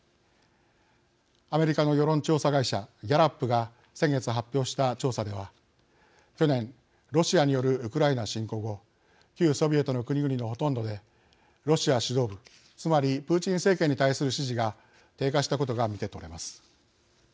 アメリカの世論調査会社ギャラップが先月、発表した調査では去年、ロシアによるウクライナ侵攻後旧ソビエトの国々のほとんどでロシア指導部つまりプーチン政権に対する支持が低下したことが見て取れます。